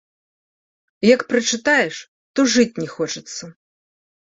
Як прачытаеш, то жыць не хочацца.